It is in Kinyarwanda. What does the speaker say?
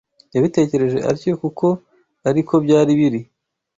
Yabitekereje atyo kuko ari ko byari biri